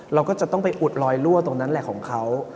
เราก็จะต้องไปอุดรอยรั่วตรงนั้นแหละของเขา